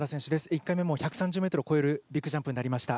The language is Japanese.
１回目も１３０ｍを越えるビッグジャンプになりました。